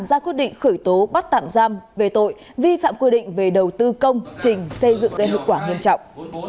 ra quyết định khởi tố bắt tạm giam về tội vi phạm quy định về đầu tư công trình xây dựng gây hợp quả nghiêm trọng